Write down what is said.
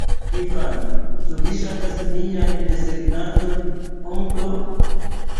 Infano: "Ĉu vi ŝatas mian desegnaĵon, onklo?"